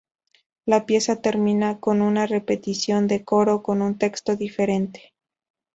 La pieza termina con una repetición del coro con un texto diferente.